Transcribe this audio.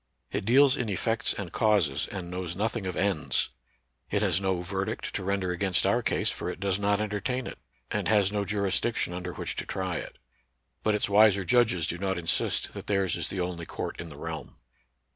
It deals in effects and causes, and knows nothing of ends. It has no verdict to render against our case, for it does not entertain it, and has no jurisdiction under which to try it. But its wiser judges do not insist that theirs is the only court in the realm.